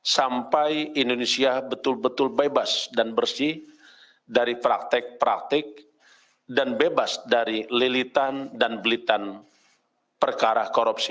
sampai indonesia betul betul bebas dan bersih dari praktek praktik dan bebas dari lilitan dan belitan perkara korupsi